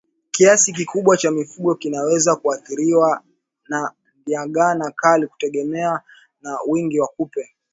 Kiasi kikubwa cha mifugo kinaweza kuathiriwa na ndigana kali kutegemeana na wingi wa kupe